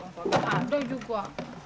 gak ada juga